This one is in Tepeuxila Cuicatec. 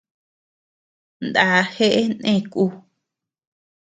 Ndá jeʼe nè ku.